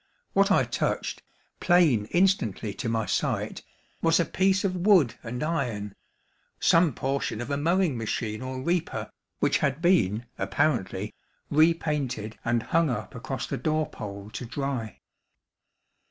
What I touched, plain instantly to my sight, was a piece of wood and iron,—some portion of a mowing machine or reaper, which had been, apparently, repainted and hung up across the door pole to dry.